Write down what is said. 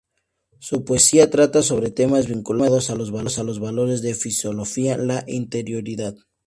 Su poesía trata sobre temas vinculados a los valores, la filosofía, la interioridad.